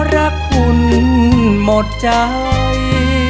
รักคุณหมดใจ